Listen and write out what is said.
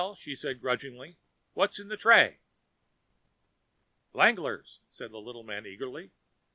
she asked grudgingly. "What's in the tray?" "Flanglers," said the little man eagerly.